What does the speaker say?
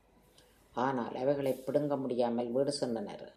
ஆனால் அவைகளைப் பிடுங்க முடியாமல் வீடு சென்றனர்.